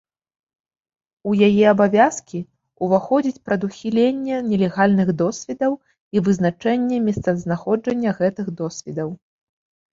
У яе абавязкі ўваходзіць прадухіленне нелегальных досведаў і вызначэнне месцазнаходжання гэтых досведаў.